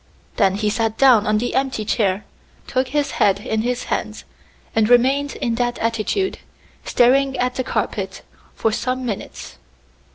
Then he sat down on the empty chair, took his head in his hands, and remained in that attitude, staring at the carpet, for some minutes.